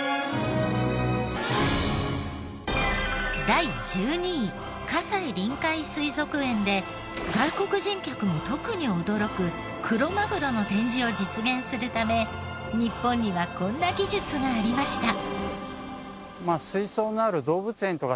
第１２位西臨海水族園で外国人客も特に驚くクロマグロの展示を実現するため日本にはこんな技術がありました。